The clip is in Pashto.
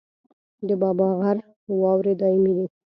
د بابا غر واورې دایمي دي